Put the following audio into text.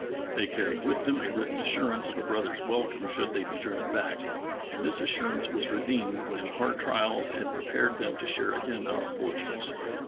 They carried with them a written as surance of a brother's welcome should they be driven back; and this assurance was redeemed when hard trials had prepared them to share again our fortunes."